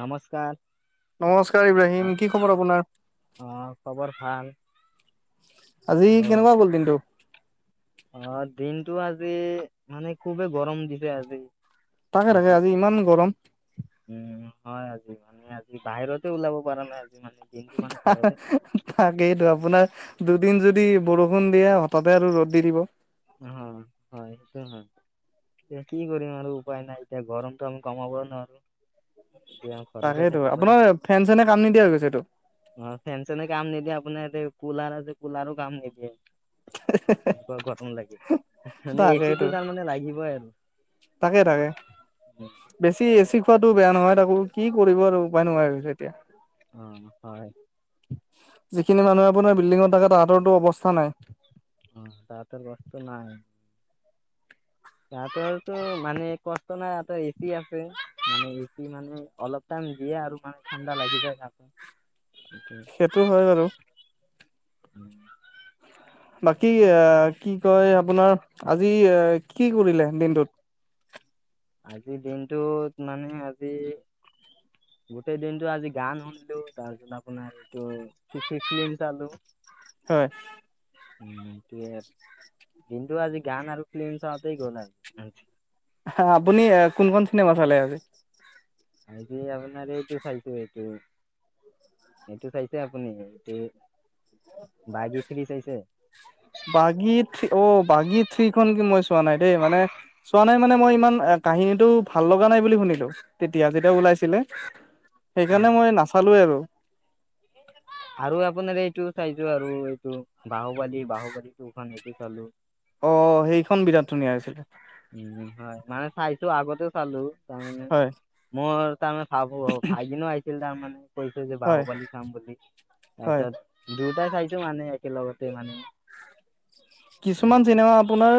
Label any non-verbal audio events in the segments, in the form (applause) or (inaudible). নমস্কাৰ। নমস্কাৰ ইব্ৰাহিম, কি খবৰ আপোনাৰ? অ খবৰ ভাল আজি আৰু কেনেকুৱা গল দিনটো? অ দিনটো আজি মানে খুবেই গৰম দিছে আজি। তাকে তাকে আজি ইমান গৰম। উম হয় মানে আজি বাহিৰতে ওলাব পৰা নাই। আজি মানে দিনটো মানে ঘৰতে আছো তাকেইটো আপোনাৰ দুদিন যদি বৰষুণ য়া হথাতে আৰু ৰ'দ দি দিব। (unintelligible) হয় এইটো হয়। এতিয়া কি কৰিম আৰু উপায় নাই এতিয়া গৰমটো আমি কমাবও নোৱাৰো। দিয়া ঘৰতে তাকেইতো থাকিব আপোনাৰ লাগিব ফেন চেনে কাম নিদিয়া হৈ গৈছেতো অ, ফেন চেনে কাম নিদিয়া আপোনাৰ এতে কুলাৰ আছে কুলাৰো কাম নিদিয়ে এনেকুৱা গৰম লাগে (unintelligible) মানে এচি টো তাৰমানে লাগিবই আৰু। তাকে-তাকে বেছি এচি খোৱাটো বেয়া নহয় তাকো কি কৰিব আৰু উপায় নোহোৱা হৈ গৈছে এতিয়া। অ, হয়। যিখিনি মানুহে আপোনাৰ বিল্ডিঙত থাকে তাহাঁতৰতো অৱস্থা নাই। উম, তাহাতৰ বস্ত নাই। তাহাতৰতো মানে কষ্ট নাই (unintelligible) এচি আছে মানে এচি মানে অলপ টাইম দিয়ে আৰু মানে ঠাণ্ডা লাগি যায় তাতে। সেটো হয় বাৰু। উম, বাকী আহ, কি কয় আপোনাৰ আজি এ কি কৰিলে দিনটোত? আজিৰ দিনটোত মানে আজি গোটেই দিনটো আজি গান শুনিলো তাৰপিছত আপোনাৰ এইটো ফি - ফি -ফিল্ম চালো হয়। উম, তিয়ে আৰ দিনটো আজি গান আৰু ফিলিম চাওতেই গ'ল আৰু (unintelligible) আপুনি কোনখন চিনেমা চালে আজি? মই আপোনাৰ আজি এইটো চাইছো এইটো -এইটো চাইছে আপুনি এইটো? বাঘী থ্ৰী চাইছে (unintelligible) বাগীত অ, বাগী থ্ৰী এইখন ফিল্ম মই চোৱা নাই দেই মানে চোৱা নাই মানে মই ইমান কাহিনীটো ভাল লগা নাই বুলি শুনিলো তেতিয়া দিয়া যেতিয়া ওলাইছিলে অ সেইকাৰণে মই নাচালোৱে আৰু। আৰু আপোনাৰ এইটো চাইছো আৰু এইটো বাহবালি - বাহবালিটো খন এ চলো। অ, সেইখন বিৰাট ধুনীয়া হৈছিলে। উম, হয় মানে চাইছো আগতে চালো তাৰমানে হয় মই তাৰে ভাবো ভাইদিনো আহিছিল তাৰমানে কৈছো যে হয় বাহু পালী চাম বুলি হয় তাৰপিছত দুতাই খাইছো মানে একেলগতে মানে কিছুমান চিনেমা আপোনাৰ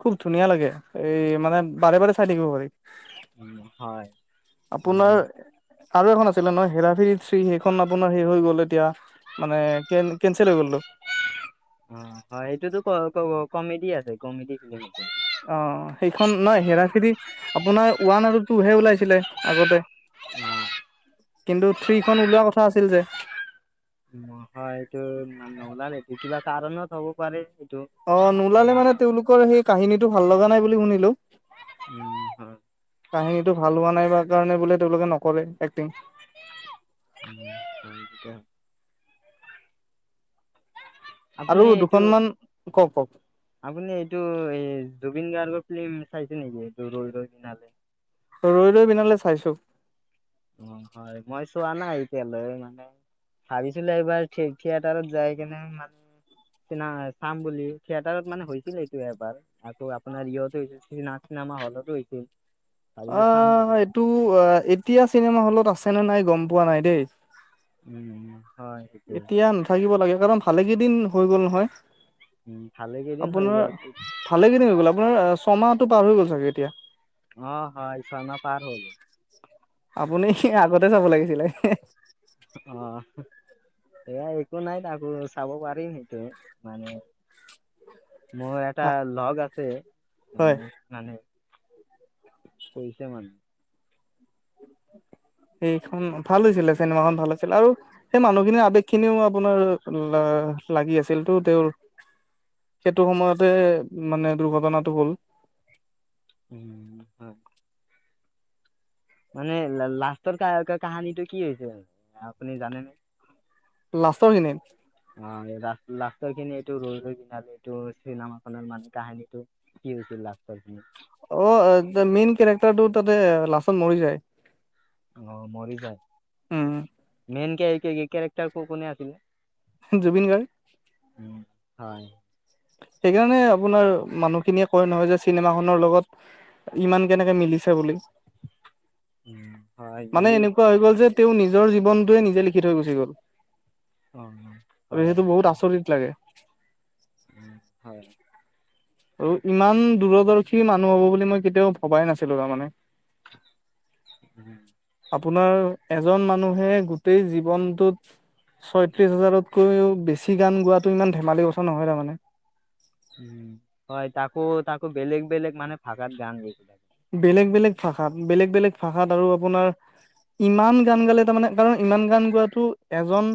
খুব ধুনীয়া লাগে এই মানে বাৰে বাৰে চাই থাকিব পাৰি। উম, হয় আপোনাৰ তেনেয়লে আৰু এখন আছিলে নহয় হেৰাফৰি থ্ৰী সেইখন আপোনাৰ হে হৈ গ'ল এতিয়া মানে কে কেনচেল হৈ গ'লতটো অ, হয় এইটোতো ক - ক কমেডি আছে কমেডি ফিলিমটো অ, সেইখন নহ হেৰা ফেৰি আপোনাৰ ওৱান আৰু টুহে ওলাইছিলে আগতে। উম, কিন্তু থ্ৰীখন ওলোৱা কথা আছিল যে নহয় এইটো মান নহল নে ভিকিবা কাৰণত হব পাৰে। এইটো অ, নোলালে উম মানে তেওঁলোকৰ সেই কাহিনীটো ভাল লগা নাই বুলি শুনিলো। উম হয় কাহিনীটো ভাল হোৱা নাইব কাৰণে বোলে তেওঁলোকে নকৰে। এক্টিং উম, স আৰু আপুনি এইটো দুখনমান কওক কওক - আপুনি এইটো এই জুবিন গাৰ্গৰ ফ চাইছে নেকি ৰ ৰ দি নলে (unintelligible) ৰৈ লৈ বিনালৈ চাইছো, অ হয় মই চোৱা নাই এতিয়ালৈ মানে,, ভাবিছিলো এইবাৰ থিয়েটাৰত যাই কেনে মানে, চিনা চাম বুলি থিয়েটাৰত মানে হৈছিল এইটো এবাৰ আকৌ আপোনাৰ ইহতে না। চিনেমা হলতো হৈছিল। ভাবিছো অ চাম বুলি এইটো এতিয়া চিনেমা হলত আছে নে নাই গম পোৱা নাই দেই। উম উম হয় সেইটোৱে এতিয়া নাথাকিব লাগে কাৰণ ভালে কেইদিন হৈ গ'ল নহয়। উম ভালে কেইদিন হৈ আপোনাৰ গ'ল ভালে খিনি হৈ গ'ল আপোনাৰ ছমাহটো পাৰ হৈ গ'ল চাগে এতিয়া। অ হয় ইছনা পাৰ হ'ল, ছিলিল (unintelligible) আহ এয়া একো নাই তাকো চাব পাৰিম সেইটো মানে, মোৰ এটা লগ আছে হয় মানে পইচা মান সেইখন ভাল হৈছিলে চিনেমা খন ভাল হৈছিলে আৰু সেই মানুহখিনিৰ আবেগ খিনিও আপোনাৰ অ লাগি আছিল তেওঁৰ, সেইটো সময়তে মানে দুৰ্ঘটনাটো হ'ল উম হ মানে লাষ্টৰ কাহানীটো কি হৈছে আপুনি জানে ন? লাষ্টৰ খিনি লাষ্ট লাষ্টৰ খিনি এইটো ৰৈ ৰৈ বিনালে এইটো চিনেমা খনৰ মানে কাহিনীটো কি হৈছিল? লাষ্টৰ খিনি অ, মেইন কেৰেক্টাৰটো তাতে লাচন মৰি যায়। অ মৰি যায়, উম মেইন কেৰেক্টাৰ ক কোনে আছিলে। জুবিন গাৰ্গ। হয়। সেইকাৰণে আপোনাৰ মানুহখিনিয়ে কয় নহয় যে চিনেমাখনৰ লগত ইমান কেনেকে মিলিছে বুলি। হয়, মানে দিলো। এনেকুৱা হৈ গ'ল যে তেওঁ নিজৰ জীৱনটোৱে নিজে লিখি থৈ গুচি গ'ল। অ আৰু হয় যিহেতু বহুত সেইটো আচৰিত লাগে। হয়। আৰু ইমান দূৰদৰ্শী মানুহ হব বুলি মই কেতিয়াও ভবাই নাছিলো তাৰমানে। উম। আপোনাৰ এজন মানুহে গোটেই জীৱনটোত ছয়ত্ৰিশ হাজাৰতকৈও বেছি গান গোৱাটো ইমান ধেমালি কথা নহয়, তাৰমানে। উম, হয়, তাকো, তাকো বেলেগ- বেলেগ মানে ভাষাত গান গাইছে। বেলেগ বেলেগ ভাষাত, বেলেগ বেলেগ ভাষাত আৰু আপোনাৰ ইমান গান গালে তাৰমানে কাৰণ ইমান গান গোৱাটো এজন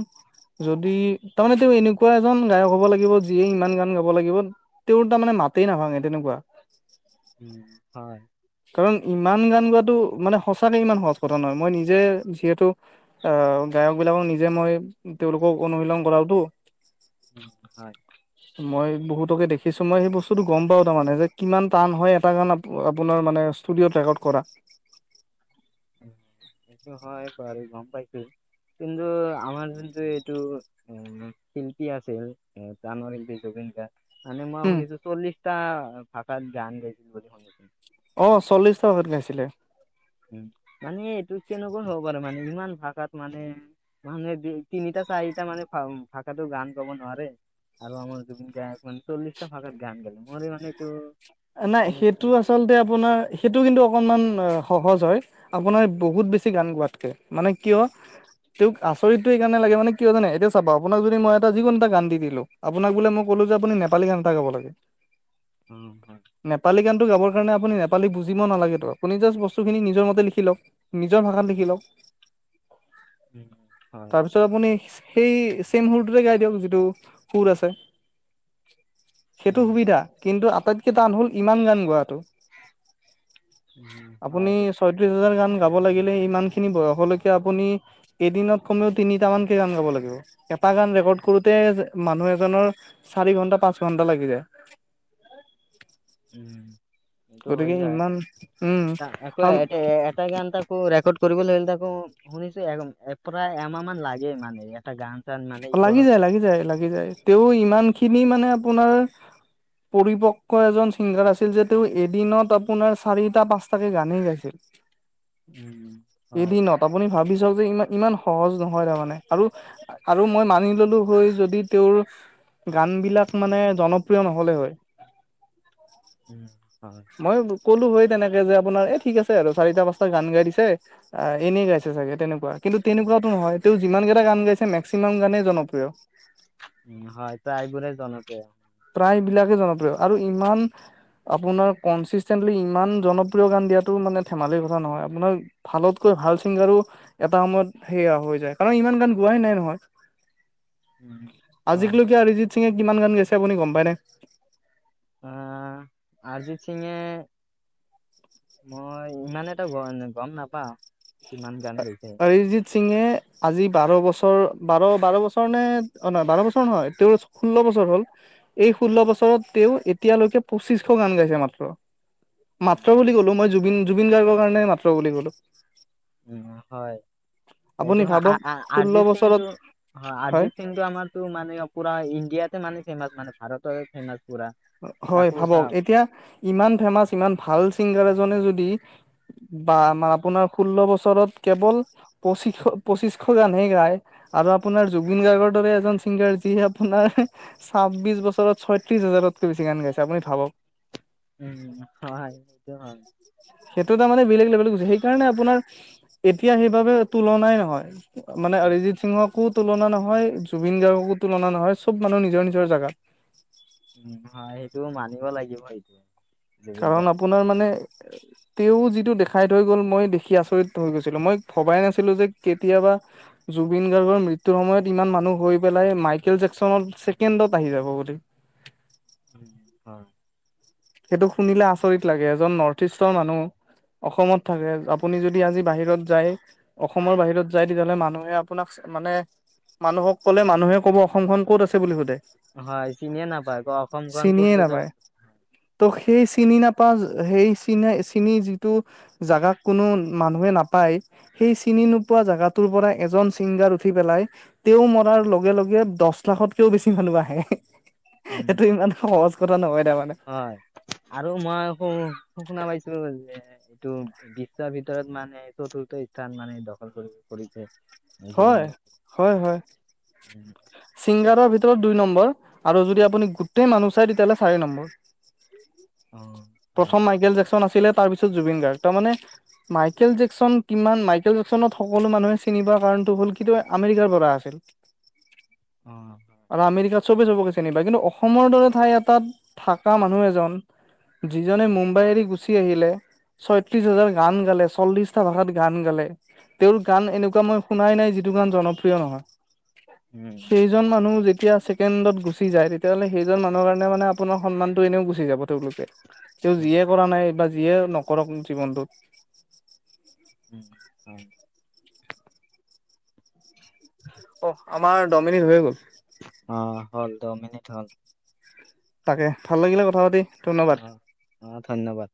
যদি তাৰমানে তেওঁ এনেকুৱা এজন গায়ক হ'ব লাগিব। যিয়ে ইমান গান গাব লাগিব, তেওঁৰ তাৰমানে মাতেই নাভাঙে তেনেকুৱা। উম, হয়। কাৰণ ইমান গান গোৱাটো মানে সঁচাকে ইমান সহজ কথা নহয়, মই নিজে যিহেতু অ, অঁ গায়ক বিলাকক নিজে মই তেওঁলোকক অনুশীলন কৰাওতো। হয়। মই বহুতকে দেখিছো মই সেই বস্তুটো গম পাও তাৰমানে যে কিমান টান হয় এটা গান আপোনাৰ মানে ষ্টুডিঅ'ত ৰেকৰ্ড কৰা। সেইটো হয় বাৰু গম পাইছো। কিন্তু আমাৰ জোনটো এইটো এ শিল্পী আছিল, (unintelligible) মানে মই উম শুনিছো চল্লিশটা ভাষাত গান গাইছিল বুলি শুনিছো। অ', চল্লিশটা ভাষাত গাইছিলে। উম, মানে এইটো কেনেকুৱা হ'ব পাৰে, মানে ইমান ভাষাত মানে মানুহে তিনিটা চাৰিটা মানে ভাষাটো গান গাব নোৱাৰে। আৰু আমাৰ জুবিন গায়ক মানে চল্লশটা ভাষাত গান গালে, মোৰ মান এইটো নাই শুনি হয় সেইটো হয় আচলতে আপোনাৰ সেইটো কিন্তু অকনমান সহজ হয়, আপোনাৰ বহুত বেছি গান গোৱাতকে মানে কিয় তেওঁক আচৰিতটো এই কাৰণে লাগে মানে কিয় জানে, এতিয়া চাব আপোনাক যদি মই এটা যিকোনো এটা গান দি দিলো আপোনাক বোলে মই কলো যে আপুনি নেপালী গান এটা গাব লাগে। উম। নেপালী গানটো গাবৰ কাৰণ আপুনি নেপাল বুজিব নালাগে তো, আপুনি জাষ্ট বস্তুখিনি নিজৰ মতে লিখ লওক নিজৰ ভাষাত লিখি লওক। (unintelligible) উম হয় তাৰপিছত আপুনি সেই চেম সুৰটোতে গাই দিয়ক যিটো সুৰ আছে। সেইটো উম সুবিধা কিন্তু আটাইতকে টান হ'ল ইমান গান গোৱাটো। উম আপুনি হয় সেইটো ছয়ত্ৰিশ হাজাৰ গান গাব লাগিলে ইমান খিনি বয়সলৈকে আপুনি এদিনত কমেও তিনিটা মানকৈ গান গাব লাগিব। এটা গান ৰেকৰ্ড কৰোতে মানুহ এজনৰ চাৰি ঘন্টা পাঁচ ঘন্টা লাগি যায়। (unintelligible) উম, এইটো হৈ গতিকে যায় ইমান উম আকৌ আৰু এ এটা গান টো ৰেকৰ্ড কৰিবলৈ হলে তাকো শুনিছো, প্ৰায় এমাহ মান লাগে মানে এটা গান। চান মানে ই লাগি কৰোতে যায়, লাগি যায়, লাগি যায়, তেওঁ ইমান খিনি মানে আপোনাৰ পৰিপক্ক এজন ছিংগাৰ আছিল যে, তেওঁ এদিনত আপোনাৰ চাৰিটা পাঁচটাকে গানেই গাইছিল। উম হয় এদিনত আপুনি ভাবি চাওক যে ইমান, ইমান সহজ নহয় তাৰমানে আৰু আৰু মই মানি ললো হৈ যদি তেওঁৰ গান বিলাক মানে জনপ্ৰিয় নহলে হয়। উম। হয় মই ক'লো হয় তেনেকে যে আপোনাৰ এই ঠিক আছে আৰু চাৰিটা পাঁচটা গান গাই দিছে, এনেই গাইছে চাগে তেনেকুৱা কিন্তু তেনেকুৱা নহয় তেওঁ যিমান কেইটা গান গাইছে, মেক্সিমাম গানেই জনপ্ৰিয়। উম, হয় প্ৰায়বোৰে জনপ্ৰিয়। প্ৰায়বিলাকেই জনপ্ৰিয় আৰু ইমান আপোনাৰ কনচিষ্টেটলি ইমান জনপ্ৰিয় গান দিয়াতটো মানে ধেমালিৰ কথা নহয় আপোনাৰ ভালকৈ ভাল চিংগাৰো এটা সময়ত সেইয়া হৈ যায় কাৰণ ইমান গান গোৱাহে নাই নহয়। উম হয়। আজিলৈকে অৰিজিত কিমান গান গাইছে আপুনি গম পাই নে? অ' আজি চিঙে, মই ইমান এটা গম নাপাও। কিমান গান গৈছে। অৰিজিত সিঙে আজি বাৰ বছৰ বাৰ বাৰ বছৰ নে অ' নহয় বাৰ বছৰ নহয় তেওঁ ষোল্ল বছৰ হ'ল। এই ষোল্ল বছৰত তেওঁ এতিয়ালৈকে পঁচিশশ গান গাইছে মাত্ৰ। মাত্ৰ উম বুলি ক'লো মই জুবিন জুবিন গাৰ্গৰ কাৰণে মাত্ৰ বুলি ক'লো। উ হয় আপুনি সেইটো ভাবক ষোল্ল অৰিজিত বছৰত সিংটো অ' হয় অৰিজিত সিং তটো আমাৰতো মানে পুৰা ইণ্ডিয়াতে মানে ফেমাচ মানে ভাৰততে ফেমাচ। পুৰা হয় তাকো ভাবক চাওঁ এতিয়া ইমান ফেমাচ ইমান ভাল চিংগাৰ এজনে যদি বা আমাৰ আপোনাৰ ষোল্ল বছৰত কেৱল পঁচিশ পঁচিশশ গানহে গায়। আৰু আপোনাৰ জুবিন গাৰ্গৰ দৰে এজন ছিংগাৰ যিয়ে আপোনাৰ ছাব্বিশ বছৰত ছয়ত্ৰিশ হাজাৰত বেছি গান গাইছে আপুনি ভাবক। উম, হয় সেইটো হয়। সেইটো তাৰ মানে বেলেগ লেভেল গুজি সেইকাৰণে আপোনাৰ এতিয়া সেইবাবে তুলনাই নহয়। মানে উম, অৰিজিত সিংহক ো তুলনা নহয় জুবিন গাৰ্গকো তুলনা নহয় চব মানুহ নিজৰ নিজৰ জেগাত। উম, হয় সেইটো মানিব লাগিব সেইটো জুবিন কাৰণ গাৰ্গ। আপোনাৰ মানে তেও যিটো দেখাই থৈ গল মই দেখি আচৰিত হৈ গৈছিলো মই ভবাই নাছিলো যে কেতিয়াবা জুবিন গাৰ্গৰ মৃত্যুৰ সময়ত ইমান মানুহ হৈ পেলাই মাইকেল জেকচনত ছেকেণ্ডত আহি যাব বুলি। উম, হয়। সেইটো শুনিলে আচৰিত লাগে এজন নৰ্থ ইষ্টৰ মানুহ অসমত থাকে আপুনি যদি আজি বাহিৰত যায় অসমৰ বাহিৰত যায় তেতিয়াহ'লে মানুহে আপোনাক মানে মানুহক কলে মানুহে কব অসমখন ক'ত আছে বুলি সোধে? হয় চিনে নাপায় অসমখন চিনিয়ে কোনটো নাপায়। জেগাত হয়। ত, সেই চিনি নাপাও সেই চ চিনি যিটো জাগা কোনো মানুহে নাপায় সেই চিনি নোপোৱা জেগাটোৰ পৰা এজন ছিংগাৰ উঠি পেলাই তেও মৰাৰ লগে - লগে দহ লাখতকেও বেছি মানুহ আহে উম, সেইটো ইমান সহজ কথা নহয় তাৰমানে হয় আৰু মই আকৌ শুনা পাইছো ব এইটো বিশ্বৰ ভিতৰত মানে চতুৰ্থ স্থান মানে দখল কৰি কৰিছে। জুবিন হয় গাৰ্গে। - হয় উম, সিংগাৰৰ ভিতৰত দুই নম আৰু যদি আপুনি গোটেই মানুহ চায় চাৰি নম্বৰ। অ', হয়, প্ৰথম মাইকেল জেকচন আছিলে তাৰ পিছত জুবিন গাৰ্গ তাৰ মানে মাইকেল জেকচন কিমান মাইকেল জেকচনত সকলো মানুহে চ নিবা কাৰণটো হ'ল কিন্তু আমেৰিকাৰ পৰা আছিল। (inaudible) হয়, আৰু আমেৰিকা চবেই চবকে চিনিবা কিন্তু অসমৰ দৰে ঠাই এটাত থকা মানুহ এজন যিজনে হয়, মুম্বাই এৰি গুচি আহিলে ছয়ত্ৰিশ হাজাৰ গান গালে চল্লিশটা ভাষাত গান গালে। তেওৰ গান এনেকুৱা মই শুনাই নাই যিটো গান জনপ্ৰিয় নহয়। উম, সেইজন হয়, মানুহ যেতিয়া আছে। কেন্দ্ৰত গুচি যায় তেতিয়াহ'লে সেইজন মানুহৰ কাৰণে মানে আপোনাৰ সন্মানটো এনেও গুচি যাব তেওলোকে। তেও উম, যিয়ে কৰা নাই বা যিয়ে নকৰক জীৱনটোত উম, হয়। অ, আমাৰ ডমিনিক হৈ গ'ল। অ, হল দহ মিনিট হ'ল। তাকে ভাল লাগিলে কথা পাতি। ধন্যবাদ অ-অ ধন্যবাদ।